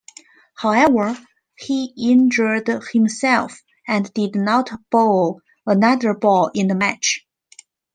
However, he injured himself and did not bowl another ball in the match.